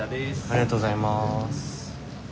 ありがとうございます。